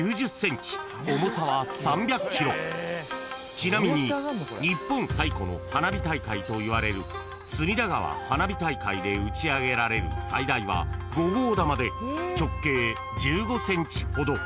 ［ちなみに日本最古の花火大会といわれる隅田川花火大会で打ち上げられる最大は５号玉で直径１５ｃｍほど］